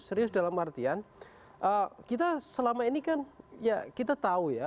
serius dalam artian kita selama ini kan ya kita tahu ya